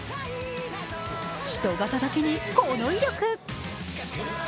ヒト型だけに、この威力。